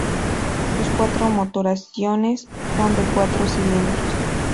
Sus cuatro motorizaciones son de cuatro cilindros.